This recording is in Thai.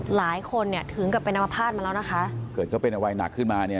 หลายคนเนี่ยถึงกับเป็นอมภาษณ์มาแล้วนะคะเกิดก็เป็นอะไรหนักขึ้นมาเนี่ย